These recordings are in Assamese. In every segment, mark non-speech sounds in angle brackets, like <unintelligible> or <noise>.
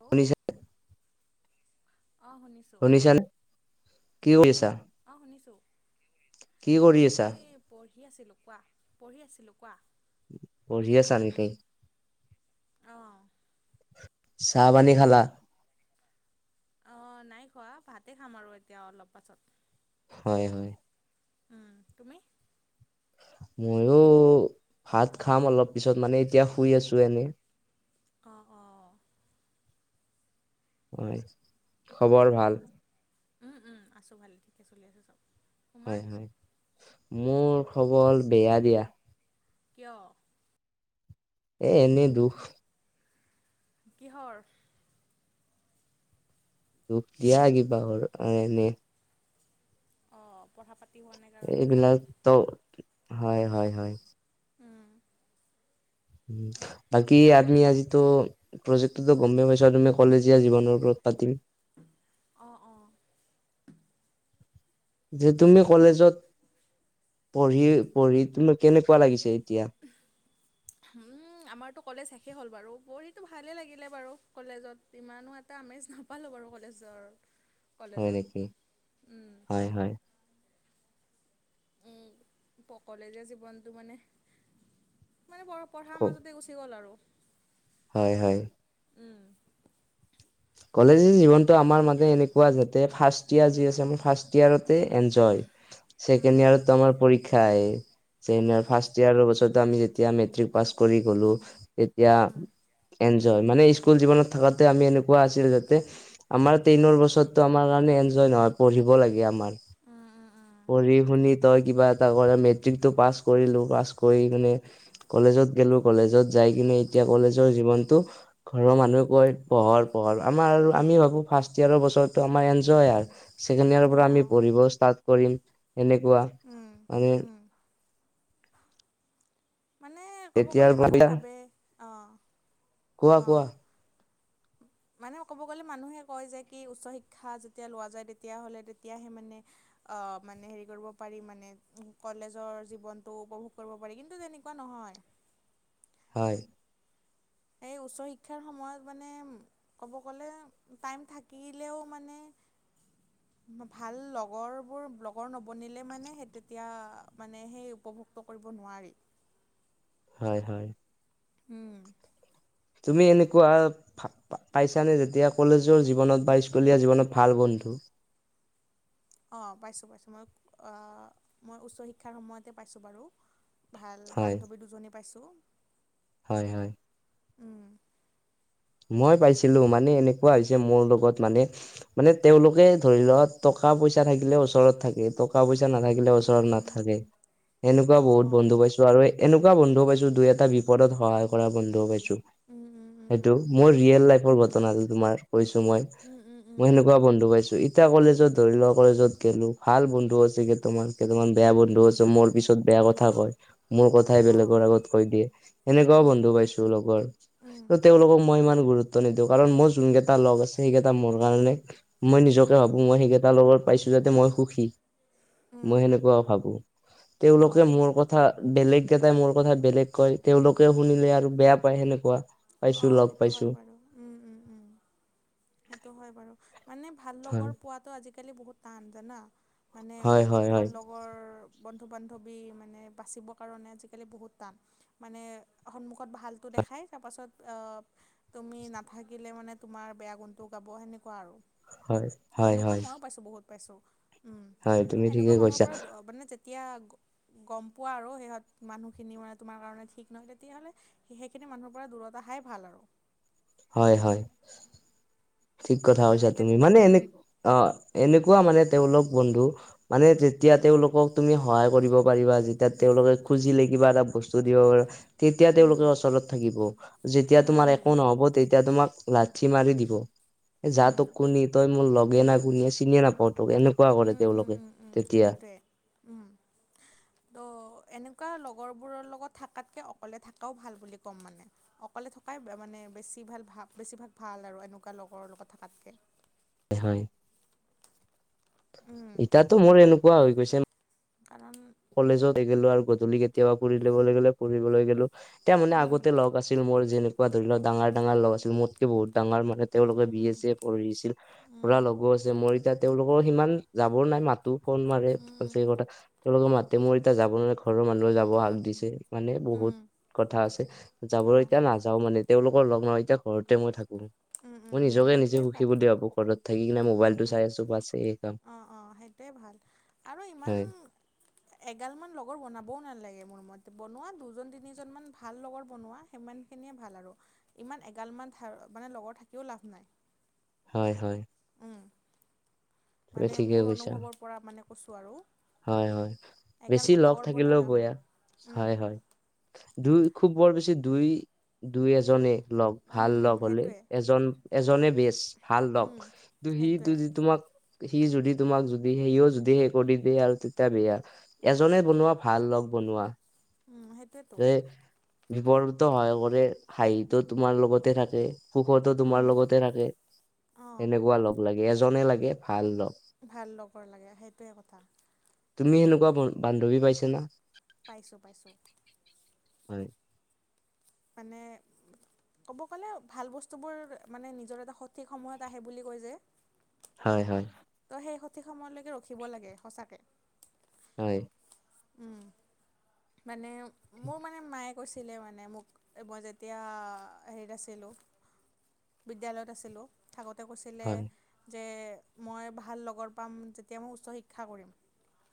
হেল্ল' শুনিছে? অঁ শুনিছোঁ। শুনিছানে? কি কৰি আছা? অঁ শুনিছোঁ। কি কৰি আছা এই পঢ়ি আছিলোঁ কোৱা? পঢ়ি আছিলোঁ কোৱা? পঢ়ি আছা নেকি? অঁ। চাহপানী খালা? অঁ নাই খোৱা। ভাতে খাম আৰু এতিয়া অলপ পাছত। হয়, হয়। উম, তুমি? মইয়ো ভাত খাম অলপ পিছত মানে এতিয়া শুই আছো এনেই। অঁ অঁ। হয়, খবৰ ভাল? উম উম। আছো ভাল, ঠিকে চলি আছে চব। তোমাৰ হয় হয়। মোৰ খবৰ বেয়া দিয়া। কিয়? এ এনেই দুখ। কিহৰ? দুখ দিয়া কিবাহৰ এনেই। অঁ। পঢ়া পাতি হ'ল? এইবিলাকটো, হয় হয় হয়। উম। উম। বাকী আমি আজিতো, প্ৰজেক্টতো গমেই পাইছো, তুমি কলেজীয়া জীৱনৰ ওপৰত পাতিম। অঁ অঁ। যে তুমি কলেজত, পঢ়ি-পঢ়ি তুমি কেনেকুৱা লাগিছে এতিয়া? <inaudible> উম আমাৰতো কলেজ শেষ হ'ল বাৰু। পঢ়িটো ভালেই লাগিলে বাৰু কলেজত। ইমানো এটা আমেজ নাপালোঁ বাৰু কলেজৰ। হয় কলেজত নেকি? উম হয় হয়। উম কলেজীয়া জীৱনটো মানে, মানে বৰ পঢ়াৰ মাজতে গুচি গ'ল আৰু। হয় হয়। উম। কলেজী জীৱনটো আমাৰ মানে এনেকুৱা যাতে ফাৰ্ষ্ট ইয়েৰ যি আছে মোৰ ফাৰ্ষ্ট ইয়েৰতে এঞ্জয়। ছেকেণ্ড অ', ইয়েৰতটো আমাৰ পৰীক্ষা আহে। Second year. ফাৰ্ষ্ট ইয়েৰৰ পিছত আমি যেতিয়া মেট্ৰিক পাছ কৰি গলোঁ। তেতিয়া এনজয়, মানে স্কুল জীৱনত থকোতে আমি এ এনেকোৱা আছিল যাতে আমাৰ টেনৰ বছৰতো আমাৰ কাৰণে এনজয় নহয়, পঢ়িব লাগে আমাৰ। পঢ়ি শুনি তই কিবা এটা কৰা, মেট্ৰিকটো পাছ কৰিলোঁ পাছ কৰি কিনে কলেজত গলোঁ কলেজত যাই কিনে এতিয়া কলেজৰ জীৱনটো ঘৰৰ মানুহ কয় পহৰ পোহৰ আমাৰ আৰু আমি ভাবোঁ ফাৰ্ষ্ট ইয়েৰ বছৰতো আমাৰ এনজয় আৰু ছেকেণ্ড ইয়েৰ পৰা আমি পঢ়িব ষ্টাৰ্ট কৰিম সেনেকুৱা উম, মানে উম, মানে ক'ব তেতিয়াৰ গ'লে মানুহে ভাবে অঁ কোৱা-কোৱা? মানুহে ক'ব গ'লে মানুহে কয় যে কি উচ্চ শিক্ষা যেতিয়া লোৱা যায় তেতিয়াহ'লে তেতিয়াহে মানে আহ মানে হেৰি কৰিব পাৰি মানে কলেজৰ জীৱনটো উপভোগ কৰিব পাৰি কিন্তু তেনেকুৱা নহয়। হয়। এই উচ্চ শিক্ষাৰ সময়ত মানে ক'ব গ'লে টাইম থাকিলেও মানে <inaudible> ভাল লগৰবোৰ লগৰ নবনিলে মানে সেই তেতিয়া মানে সেই উপভোগ <unintelligible> কৰিব নোৱাৰি। হয়-হয়। উম! তুমি এনেকুৱা পাইছানে যেতিয়া কলেজৰ জীৱনত বা স্কুলীয়া জীৱনত ভাল বন্ধু। অঁ! পাইছোঁ-পাইছোঁ মই অহ মই উচ্চ শিক্ষাৰ সময়তে পাইছোঁ বাৰু। ভাল বান্ধৱী দুজনী পাইছোঁ। হয়-হয়। উম মই পাইছিলোঁ মানে এনেকুৱা হৈছে মোৰ লগত মানে মানে তেওঁলোকে ধৰি লওক টকা পইচা থাকিলে ওচৰত থাকে টকা পইচা নাথাকিলে উম উম ওচৰত না উম থাকে। সেনেকুৱা অঁ বহুত অঁ বন্ধু পাইছোঁ আৰু এনেকুৱা বন্ধুও পাইছোঁ দুই এটা বিপদত সহায় কৰা বন্ধুও পাইছোঁ। উম উম তো উম মই ৰিয়েল লাইফৰ উম ঘটনাটো তোমাৰ কৈছোঁ মই। উম উম উম মই উম উম সেনেকুৱা বন্ধু পাইছোঁ। এতিয়া কলেজত ধৰি লোৱা কলেজত গলো ভাল বন্ধু আছে যে তোমাৰ। কেইটামান বেয়া বন্ধু উম আছে মোৰ পিছত বেয়া কথা অঁ কয় মোৰ কথাই অঁ বেলেগৰ আগত কৈ দিয়ে। সেনেকুৱাও উম বন্ধু পাইছোঁ লগৰ। উম ত' তেওঁলোকক মই ইমান গুৰুত্ব নিদিওঁ কাৰণ মোৰ যোনকেইটা লগ আছে সেইকেইটা মোৰ কাৰণে মই নিজকে উম ভাবোঁ মই সেইকেইটাৰ লগত পাইছোঁ যাতে মই সুখী। উম মই সেনেকুৱাও ভাবোঁ। তেওঁলোকে অঁ মোৰ কথা বেলেগ কেইটাই মোৰ কথা বেলেগ কয় তেওঁলোকে শুনিলে আৰু বেয়া পায় সেনেকুৱা। পাইছো অঁ! লগ সেইটো পাইছো হয় বাৰু। উম-উম-উম! সেইটো হয় বাৰু মানে ভাল হয় লগৰ পোৱাত তো আজিকালি বহুত টান জানা মানে হয় হয় ভাল হয় লগ লগৰ, বন্ধু-বান্ধৱী মানে বাচিবৰ কাৰণে আজিকালি বহুত টান। মানে সন্মুখত ভালটো দেখাই তাৰপাছত অ! তুমি নাথাকিলে মানে তোমাৰ বেয়া গুণটো গাব সেনেকুৱা আৰু। হয় হয় এনেকুৱা হয় ময়ো পাইছোঁ বহুত পাইছোঁ উম হয় তুমি ত এনেকুৱা ঠিকে মানুহৰ কৈছা পৰা মানে যে ত্যাগ <inaudible> গম পোৱা আৰু সিহঁত মানুহখিনি মানে তোমাৰ কাৰণে ঠিক নহয় তেতিয়াহ'লে সেইখিনি মানুহৰ পৰা দূৰত আহাই ভাল আৰু। হয়-হয়। ঠিক কথা মানে কৈছা তেন তুমি। মানে এনে উম, অ', এনেকুৱা মানে তেওঁলোক বন্ধু মানে যেতিয়া তেওঁওলোকক তুমি সহায় কৰিব পাৰিবা, যেতিয়া তেওঁওলোকে খুজিলে কিবা এটা বস্তু দিব পাৰা তেতিয়া উম, তেওঁলোকে ওচৰত থাকিব, যেতিয়া উম, তোমাৰ উম, একো উম। নহ'ব তেতিয়া তোমাক লাঠি মাৰি দিব। এ যা উম, তোক কুনি, তই মোৰ লগে না কুনিয়ে চিনিয় নাপাও তোক এনেকুৱা কৰে উম, উম, তেওঁলোকে। উম, উম, তেতিয়া সেইটোৱে। উম, <inaudible> ত' এনেকুৱা লগৰবোৰৰ লগত থকাতকে অকলে থকাও ভাল বুলি ক'ম মানে। অকলে থকাই মানে বেছি ভাল বেছিভাগ ভাল আৰু এনেকুৱা লগৰ লগত থকাতকৈ। হয়, হয়। উম, ইতাতো মোৰ এনেকুৱা হৈ গৈছে কাৰণ কলেজত <unintelligible> আৰু গধূলি কেতিয়াবা ফুৰিবলৈ গ'লে ফুৰিবলৈ গ'লো। এতিয়া মানে উম, আগতে লগ আছিল মোৰ যেনেকুৱা ধৰি লওক ডাঙৰ, ডাঙৰ লগ আছিল মোতকে বহুত ডাঙৰ মানে উম, তেওঁলোকে উম, B A um, C A কৰিছিল। উম, পুৰা লগো আছে। মোৰ এতিয়া তেওঁলোকৰ সিমান যাবৰ নাই মাতো ফোন মাৰে বাছ উম, উম, সেয়ে উম, কথা। তেওঁলোকৰ মাতে মোৰ এতিয়া যাব নোৱাৰে, ঘৰৰ মানুহে যাব হাক দিছে। মানে উম, বহুত কথা আছে, যাবলৈ অ', এতিয়া নাযাওঁ মানে তেওঁলোকৰ লগ নহওঁ, এতিয়া ঘৰতে মই থাকোঁ। উম, উম, মই উম, নিজকে নিজে সেইটোৱে সুখী ভাল। বুলি ভাবোঁ, ঘৰত থাকি কিনে উম, মোবাইলটো উম, চাই আছোঁ বাছ এই কাম। অ', অ', সেইটোৱে ভাল আৰু ইমান হয় এগাল মান লগৰ বনাবও নালাগে মোৰ মতে। বনোৱা দুজন তিনিজন মান ভাল লগৰ বনোৱা। সিমানখিনিয়ে ভাল আৰু ইমান এগালমান <unintelligible> মানে লগৰ থাকিও লাভ নাই। হয়, হয়। উম তুমি মানে ঠিকে মোৰ কৈছা অনুভৱৰ পৰা মানে কৈছোঁ আৰু। হয়, হয়, বেছি এগালমান লগ লগৰ বনাইও থাকিলেও লাভ বয়া নাই উম হয়, হয়। দুই খুব বৰ বেছি দুই, দুই এজনেই লগ। উম ভাল উম লগ হ'লে সেইটোৱে এজন, এজনে বেচ ভাল লগ। উম কিন্তু সি সেইটোৱে যদি তোমাক সি যদি তোমাক যদি সিও যদি সে কৰি বেয়া আৰু তেতিয়া বেয়া এজনে বনোৱা ভাল লগ বনোৱা। উম সেইটোৱেতো তে বিপদতো সহায় কৰে, হাঁহিটো তোমাৰ লগতে থাকে, সুখতো উম তোমাৰ লগতে থাকে। অঁ এনেকুৱা লগ লাগে, এজনে লাগে ভাল লগ। ভাল লগৰ লাগে সেইটোৱে কথা। তুমি এনেকুৱা বা-বান্ধৱী পাইছা না! পাইছোঁ, পাইছোঁ। হয়। মানে ক'ব গ'লে ভাল বস্তুবোৰ মানে নিজৰ এটা সঠিক সময়ত আহে বুলি কয় যে। হয়, হয়। ত' সেই সঠিক সময়লৈকে ৰখিব লাগে সঁচাকে। হয়। উম। মানে মোৰ মানে মায়ে কৈছিলে মানে মোক মই যেতিয়া হেৰিত আছিলোঁ, বিদ্যালয়ত আছিলোঁ। থাকোঁতে কৈছিলে হয় যে মই ভাল লগৰ পাম, যেতিয়া মই উচ্চ শিক্ষা কৰিম।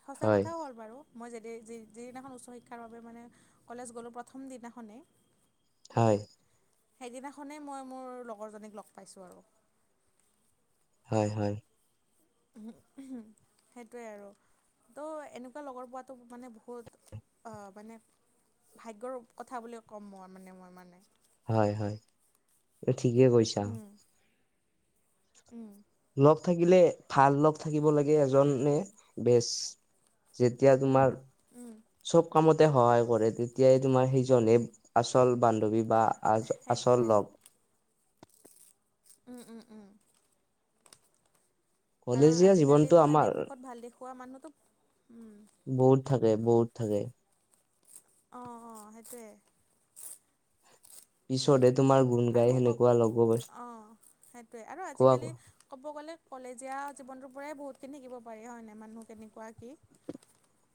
সঁচা হয় কথাও হ'ল বাৰু। মই যদি যিদিনাখন উচ্চ শিক্ষাৰ বাবে মানে কলেজ গ'লোঁ, প্ৰথম দিনাখনেই হয় সেইদিনাখনেই মই মোৰ লগৰজনীক লগ পাইছোঁ আৰু হয় হয় সেইটোৱে আৰু তো এনেকুৱা লগৰ পোৱাটো মানে বহুত অ মানে ভাগ্যৰ কথা বুলিয়ে ক'ম মই মানে মই মানে হয় হয় ঠিকে কৈছা উম উম লগ থাকিলে ভাল লগ থাকিব লাগে এজনে বেচ যেতিয়া উম তোমাৰ উম চব কামতে সহায় কৰে তেতিয়াই তোমাৰ সিজনে আচল বান্ধৱী বা আ সেইটোৱে আচল লগ উম উম উম কাৰণ কলেজীয়া জীৱনটো আজিকালিতো আমাৰ এনেই মুখত ভাল দেখুওৱা মানুহটো বহুত থাকে বহুত থাকে অ অ সেইটোৱে পিছ'তে তোমাৰ গুণ গাই আৰু সেনেকুৱা লগ কওক অঁ সেইটোৱে আৰু কোৱা আজিকালি ক'ব গ'লে কলেজীয়া জীৱনটোৰ পৰাই বহুতখিনি থাকিব পাৰি হয়নে মানুহ কেনেকুৱা কি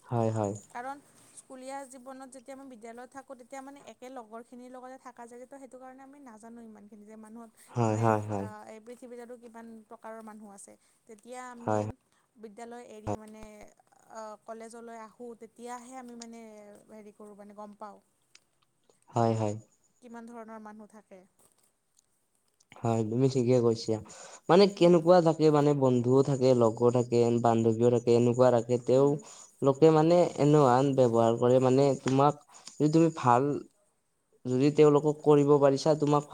হয় হয় কাৰণ স্কুলীয়া জীৱনত যেতিয়া মই বিদ্যালয়ত থাকোঁ তেতিয়া মানে একে লগৰখিনিৰ লগতে থকা যায় যে ত' সেইটো কাৰণে আমি নাজানো ইমানিনি যে মানুহত হয় মানে হয় হয় এ পৃথিৱীতো কিমান প্ৰকাৰৰ মানুহ আছে তেতিয়া আমি হয় বিদ্যালয় এৰি মানে অ কলেজলৈ আহোঁ তেতিয়াহে আমি মানে হেৰি কৰোঁ মানে গম পাওঁ হয় হয় কিমান ধৰণৰ মানুহ থাকে হয় তুমি ঠিকে কৈছা মানে উম কেনেকুৱা থাকে মানে বন্ধুও থাকে লগ ৰ থাকে, বান্ধৱীও থাকে এনেকুৱা ৰাখে তেওঁ উম লোকে মানে এনেও আন ব্যৱহাৰ কৰে মানে তোমাক যদি তুমি ভাল যদি তেওঁলোকক কৰিব পাৰিছা তোমাক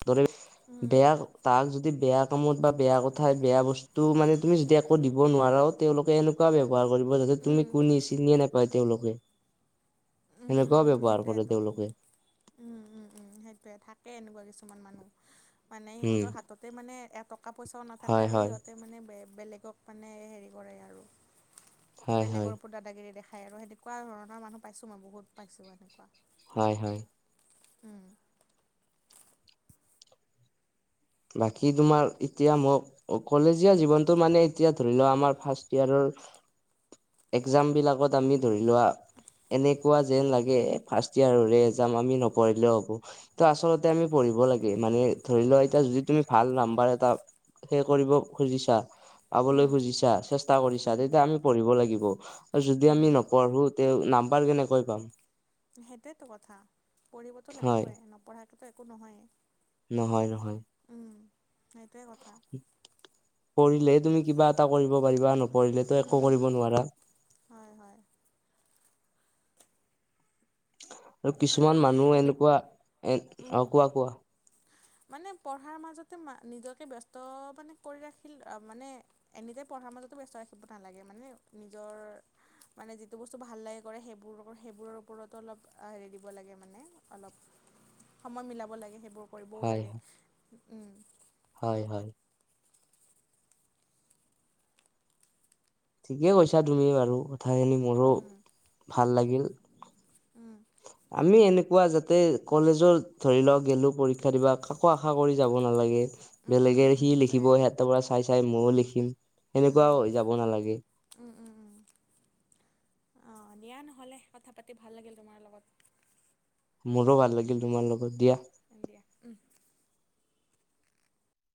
<unintelligible> উম বেয়া তাক যদি বেয়া কামত বা বেয়া কথা, বেয়া বস্তু মানে তুমি যদি একো দিব নোৱাৰাও তেওঁলোকে এনেকুৱা ব্যৱহাৰ কৰিব যাতে তুমি উম কোনি চিনিয়ে নাপায় তেওঁলোকে। উম উম সেনেকুৱা উম ব্যৱহাৰ কৰে সেইটোৱেতো তেওঁলোকে। উম, উম, উম, সেইটোৱে, থাকে এনেকুৱা কিছুমান মানুহ। মানে উম সিহঁতৰ হাততে মানে এটকা পইচাও নাথাকে হয় আৰু হয় সিহঁতে মানে বে, বেলেগক মানে হেৰি কৰে আৰু হয় হয় বেলেগৰ ওপৰত দা- দা গিৰি দেখায় আৰু সেনেকুৱা ধৰনৰ মানুহ পাইছোঁ মই বহুত পাইছোঁ এনেকুৱা। হয় হয়। উম। বাকী তোমাৰ এতিয়া মো- অ কলেজীয়া জীৱনতটো মানে এতিয়া ধৰিলোৱা আমাৰ ফাৰ্ষ্ট ইয়াৰৰ এক্সামবিলাকত আমি ধৰি লোৱা এনেকুৱা যেন লাগে এ ফাৰ্ষ্ট ইয়াৰৰে এক্সাম আমি নপঢ়িলেও হ'ব। তো, আচলতে আমি পঢ়িব লাগে মানে ধৰি লোৱা। এতিয়া যদি তুমি ভাল নাম্বাৰ এটা সেই কৰিব খুজিছা, পাবলৈ উম, খুজিছা, চেষ্টা কৰিছা উম, তেতিয়া আমি পঢ়িব লাগিব। আৰু যদি উম, আমি নপঢ়ো তে নাম্বাৰ কেনেকৈ পাম? সেইটোৱেতো কথা পঢ়িবতো হয় লাগিবই নপঢ়াকেতো একো নহয়েই। নহয় নহয়। উম, সেইটোৱে কথা। পঢ়িলে তুমি কিবা এটা কৰিব পাৰিবা। নপঢ়িলেতো একো উম, কৰিব নোৱাৰা। হয় হয়। আৰু কিছুমান মানুহ বে এনেকুৱা এ, উম, অ কোৱা কোৱা। মানে পঢ়াৰ মাজতে ম, নিজকে ব্যস্ত মানে কৰি ৰাখিল অ মানে এনিতে পঢ়াৰ মাজতো ব্যস্ত ৰাখিব নালাগে। মানে নিজৰ মানে যিটো বস্তু ভাল লাগে কৰে সেইবোৰ, সেইবোৰৰ ওপৰতো অলপ হেৰি দিব লাগে মানে অলপ সময় মিলাব লাগে। সেইবোৰ কৰিবও হয় লাগে। উম হয় হয়। ঠিকে কৈছা তুমি বাৰু কথাখিনি মোৰো, উম ভাল লাগিল। উম। আমি এনেকুৱা যাতে কলেজৰ ধৰিলোৱা গেলো পৰীক্ষা দিবা একো আশা কৰি যাব নালাগে। উম বেলেগে উম সি সেইটোৱে লিখিব সিহঁতৰ পৰা চাই-চাই মইও লিখিম। উম সেনেকুৱাও হৈ যাব নালাগে। উম উম উম। অঁ দিয়া নহ'লে কথা পাতি ভাল লাগিল তোমাৰ লগত। মোৰো ভাল লাগিল তোমাৰ লগত দিয়া। অ দিয়া উম।